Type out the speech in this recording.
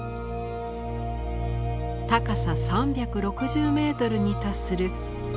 高さ３６０メートルに達する超高層ホテル。